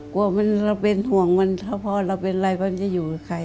กลัวว่าเราเป็นห่วงมันถ้าพ่อเราก็เป็นอะไรมันจะอยู่ใกล้